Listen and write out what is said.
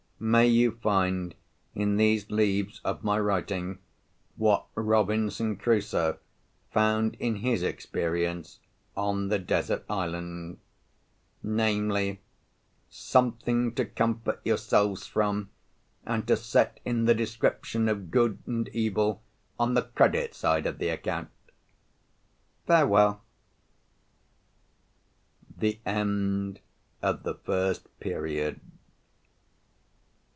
May you find in these leaves of my writing, what Robinson Crusoe found in his experience on the desert island—namely, "something to comfort yourselves from, and to set in the Description of Good and Evil, on the Credit Side of the Account."—Farewell. THE END OF THE FIRST PERIOD.